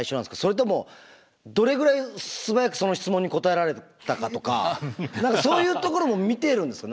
それともどれぐらい素早くその質問に答えられたかとか何かそういうところも見てるんですか？